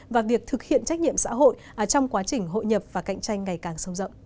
và việc thực hiện trách nhiệm xã hội trong quá trình hội nhập và cạnh tranh ngày càng sâu rộng